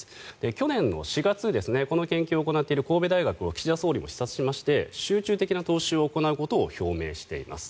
去年４月この研究を行っている神戸大学を岸田総理も視察しまして集中的な投資を行うことを表明しています。